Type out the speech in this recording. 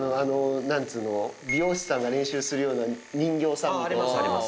何つうの美容師さんが練習するような人形さん。ありますあります。